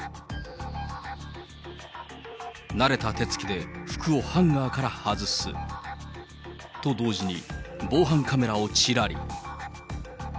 慣れた手つきで服をハンガーから外す。と同時に、防犯カメラをちらり。